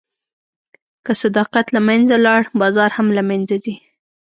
که صداقت له منځه لاړ، بازار هم له منځه ځي.